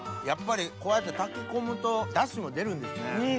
やっぱりこうやって炊き込むとダシも出るんですね。